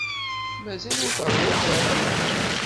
Mazal ur teṛwimt ara?